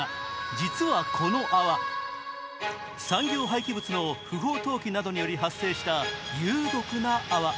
実はこの泡、産業廃棄物の不法投棄などによって発生した有毒な泡。